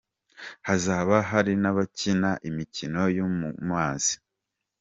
Hazaba hari n'abakina imikino yo mu mazi.